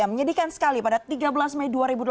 menyedihkan sekali pada tiga belas mei dua ribu delapan belas